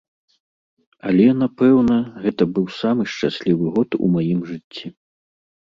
Але, напэўна, гэта быў самы шчаслівы год у маім жыцці.